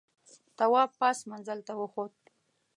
تواب پاس منزل ته وخوت.